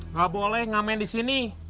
nggak boleh nggak main di sini